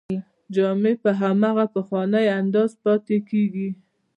جامې په هماغه پخوانۍ اندازه پاتې کیږي.